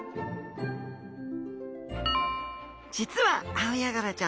実はアオヤガラちゃん